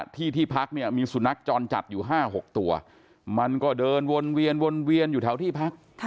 ที่ที่พักเนี่ยมีสุนัขจรจัดอยู่๕๖ตัวมันก็เดินวนเวียนวนเวียนอยู่แถวที่พัก